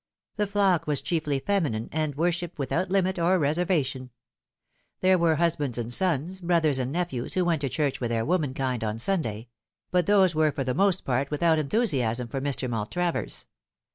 The flock was chiefly feminine, and worshipped without limit or reservation. There were husbands and sons, brothers and nephews, who went to church with their womenkind on Sunday ; but these were for the most part without enthusiasm for Mr. Maltravers.